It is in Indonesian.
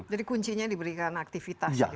jadi kuncinya diberikan aktivitas